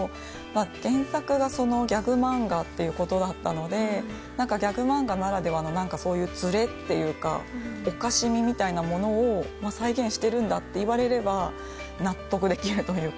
原作がギャグ漫画ということだったのでギャグ漫画ならではのずれというかおかしみ、みたいなものを再現しているんだと言われれば納得できるというか。